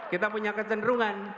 kita punya kecenderungan